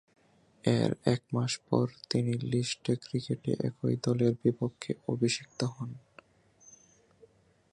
এর একমাস পর তিনি লিস্ট এ ক্রিকেটে একই দলের বিপক্ষে অভিষিক্ত হন।